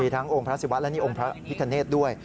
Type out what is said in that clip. ทั้งองค์พระศิวะและนี่องค์พระพิคเนธด้วย